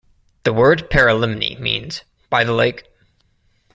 The word Paralimni means "by the lake".